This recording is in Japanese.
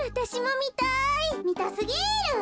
みたすぎる。